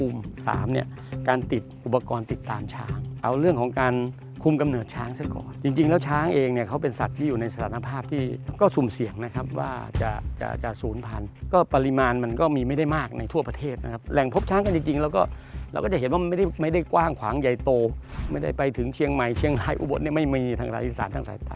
มันคุมกำเนิดช้างซะก่อนจริงจริงแล้วช้างเองเนี่ยเขาเป็นสัตว์ที่อยู่ในสถานภาพที่ก็สุ่มเสี่ยงนะครับว่าจะจะจะศูนย์พันธุ์ก็ปริมาณมันก็มีไม่ได้มากในทั่วประเทศนะครับแหล่งพบช้างกันจริงจริงเราก็เราก็จะเห็นว่ามันไม่ได้ไม่ได้กว้างขวางใหญ่โตไม่ได้ไปถึงเชียงใหม่เชียงไลน์อุบัต